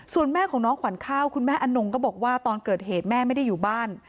ส่วนแม่ของน้องขวัญข้าวคุณแม่อนงก็บอกว่าตอนเกิดเหตุแม่ไม่ได้อยู่บ้าน